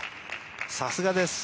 さすがです。